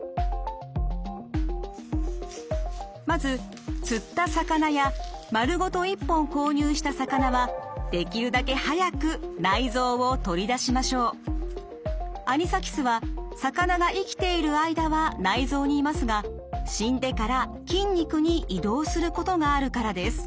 まず釣った魚や丸ごと一本購入した魚はアニサキスは魚が生きている間は内臓にいますが死んでから筋肉に移動することがあるからです。